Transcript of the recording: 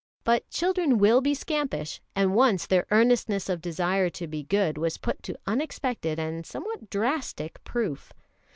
But children will be scampish; and once their earnestness of desire to be good was put to unexpected and somewhat drastic proof.